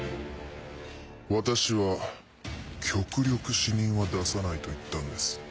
私は「極力死人は出さない」と言ったんです。